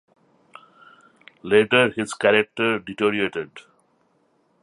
Later his character deteriorated.